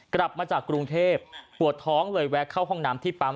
กลับมาจากกรุงเทพปวดท้องเลยแวะเข้าห้องน้ำที่ปั๊ม